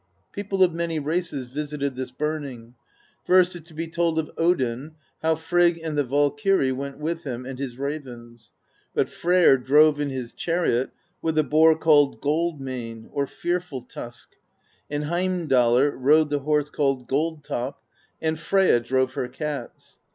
People of many races visited this burn ing: First is to be told of Odin, how Frigg and the Val kyrs went with him, and his ravens; but Freyr drove in his chariot with the boar called Gold Mane, or Fearful Tusk, and Heimdallr rode the horse called Gold Top, and Freyja drove her cats.